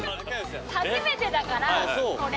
初めてだからこれ。